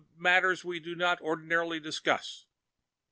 matters we do not ordinarily discuss."